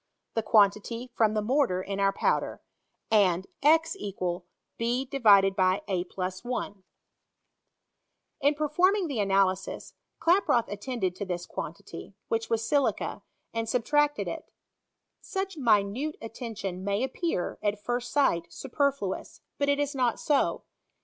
1205 quantity from the mortar in our powder, and xrz j f In perfonning the analysis, Klaproth attended to this quantity, which was silica, and subtracted it. Such minute attention may appear, at first sight miperfluous; but it is not so.